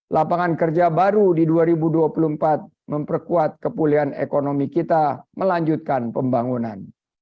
lapangan kerja baru di dua ribu dua puluh empat memperkuat kepulian ekonomi kita melanjutkan pembangunan